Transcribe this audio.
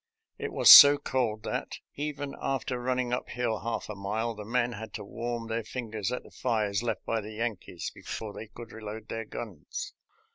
It was so cold that, even after run ning up hill half a mile, the men had to warm their fingers at the fires left by the Yankees before they could reload their guns.